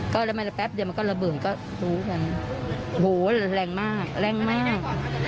ก็แล้วไม่แป๊บเดี๋ยวมันก็ระเบิ่งก็โหแรงมากแรงมาก